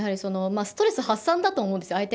ストレス発散だと思うんですよ